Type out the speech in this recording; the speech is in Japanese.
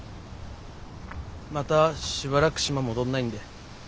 またしばらく島戻んないんで。